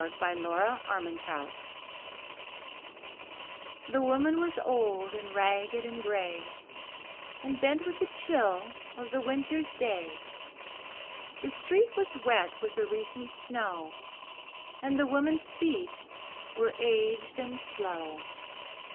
Y Z Somebody's Mother THE woman was old and ragged and gray And bent with the chill of the Winter's day. The street was wet with a recent snow And the woman's feet were aged and slow.